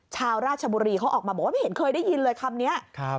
ชาวราชบุรีเขาออกมาบอกว่าไม่เห็นเคยได้ยินเลยคำนี้